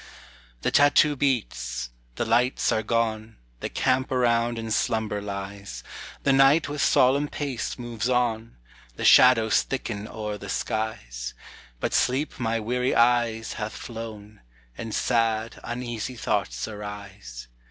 The tattoo beats, the lights are gone, The camp around in slumber lies, The night with solemn pace moves on, The shadows thicken o'er the skies; But sleep my weary eyes hath flown, And sad, uneasy thoughts arise.